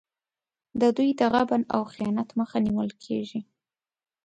د دوی د غبن او خیانت مخه نیول کېږي.